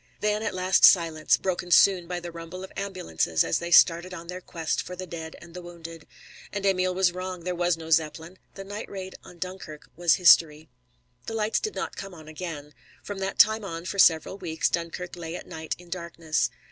Then at last silence, broken soon by the rumble of ambulances as they started on their quest for the dead and the wounded. And Emil was wrong. There was no Zeppelin. The night raid on Dunkirk was history. The lights did not come on again. From that time on for several weeks Dunkirk lay at night in darkness.